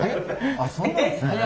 あっそうなんすね。